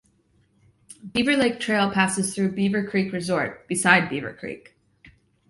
Beaver Lake Trail passes through Beaver Creek Resort, beside Beaver Creek.